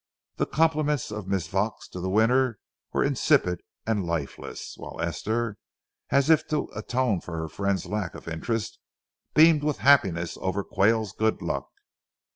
The compliments of Miss Vaux to the winner were insipid and lifeless, while Esther, as if to atone for her friend's lack of interest, beamed with happiness over Quayle's good luck.